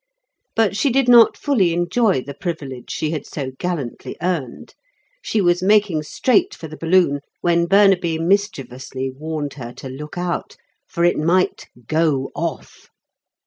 But she did not fully enjoy the privilege she had so gallantly earned. She was making straight for the balloon, when Burnaby mischievously warned her to look out, for it might "go off."